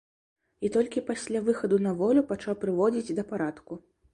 І толькі пасля выхаду на волю пачаў прыводзіць да парадку.